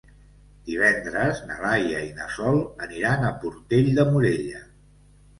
Divendres na Laia i na Sol aniran a Portell de Morella.